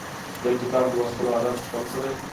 د کتاب لوستلو عادت خپل کړئ.